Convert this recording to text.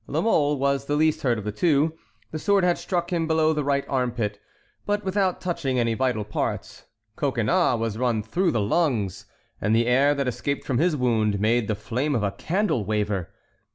La Mole was the least hurt of the two. The sword had struck him below the right armpit, but without touching any vital parts. Coconnas was run through the lungs, and the air that escaped from his wound made the flame of a candle waver.